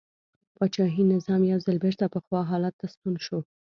پاچاهي نظام یو ځل بېرته پخوا حالت ته ستون شو.